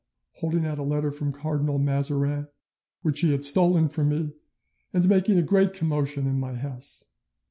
holding out a letter from Cardinal Mazarin which he had stolen from me, and making a great commotion in my house.